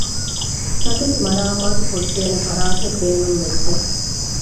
ތަކެތި މަރާމާތުކޮށްދޭނެ ފަރާތެއް ބޭނުންވެއްޖެ